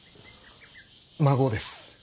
孫です。